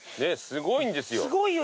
すごいんですよ。